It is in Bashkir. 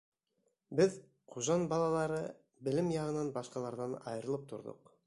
Беҙ, Ҡужан балалары, белем яғынан башҡаларҙан айырылып торҙоҡ.